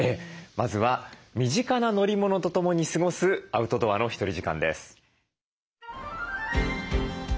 まずは身近な乗り物とともに過ごすアウトドアのひとり時間です。